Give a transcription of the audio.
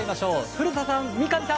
古田さん、三上さん